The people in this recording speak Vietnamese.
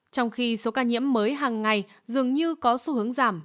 trong khi số ca nhiễm mới hàng ngày dường như có xu hướng giảm